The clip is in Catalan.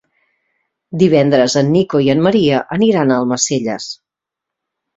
Divendres en Nico i en Maria aniran a Almacelles.